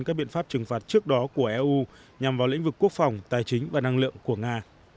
các biện pháp trừng phạt trước đó của eu nhằm vào lĩnh vực quốc phòng tài chính và năng lượng của nga